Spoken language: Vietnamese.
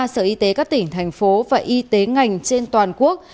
sáu mươi ba sở y tế các tỉnh thành phố và y tế ngành trên toàn quốc